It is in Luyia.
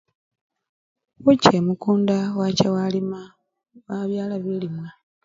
Khucha emukunda wacha walima wabyala bilimwa.